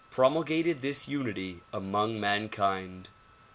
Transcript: — promulgated this unity among mankind.